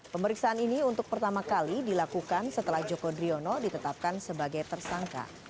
pemeriksaan ini untuk pertama kali dilakukan setelah joko driono ditetapkan sebagai tersangka